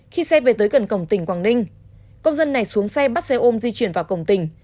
khi xe về tới gần cổng tỉnh quảng ninh công dân này xuống xe bắt xe ôm di chuyển vào cổng tỉnh